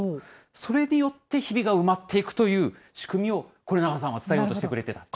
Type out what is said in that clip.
それによってひびが埋まっていくという仕組みを、是永さんは伝えようとしていた。